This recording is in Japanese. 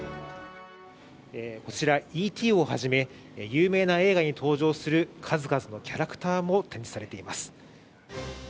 こちら「Ｅ．Ｔ．」をはじめ有名な映画に登場する数々のキャラクターも展示されています。